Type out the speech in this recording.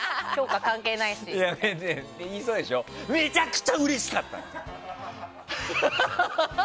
めちゃくちゃうれしかった！